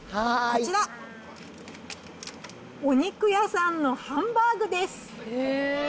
こちら、お肉屋さんのハンバーグです。